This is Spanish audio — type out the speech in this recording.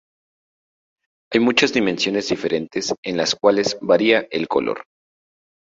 Hay muchas dimensiones diferentes en las cuales varía el color.